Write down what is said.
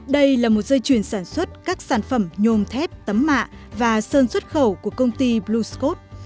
đây là một dây chuyền sản xuất các sản phẩm nhôm thép tấm mạ và sơn xuất khẩu của công ty blue scot